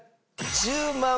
１０万。